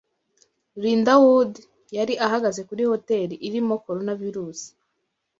Linda Wood yari ahagaze ku hoteli irimo Coronavirus.